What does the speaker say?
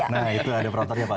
nah itu ada peraturannya pak